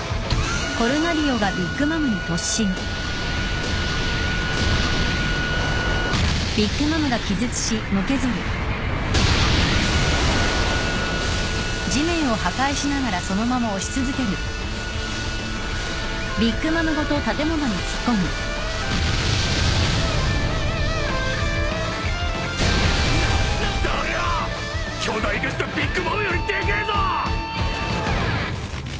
巨大化したビッグ・マムよりでけえぞ！